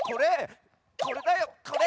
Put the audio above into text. これだよこれ！